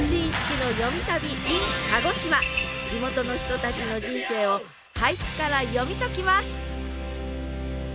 地元の人たちの人生を俳句から読み解きます！